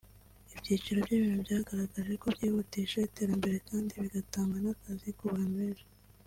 Ibyiciro by’imirimo byagaragaje ko byihutisha iterambere kandi bigatanga n’akazi ku bantu benshi